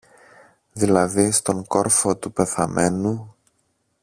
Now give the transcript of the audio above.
δηλαδή στον κόρφο του πεθαμένου.